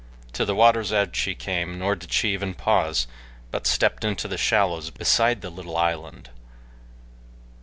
To the water's edge she came, nor did she even pause, but stepped into the shallows beside the little island.